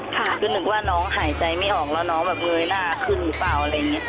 คือนึกว่าน้องหายใจไม่ออกแล้วน้องแบบเงยหน้าขึ้นหรือเปล่าอะไรอย่างนี้